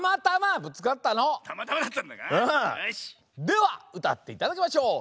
ではうたっていただきましょう。